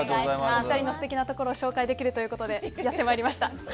お二人の素敵なところを紹介できるということでやってまいりました。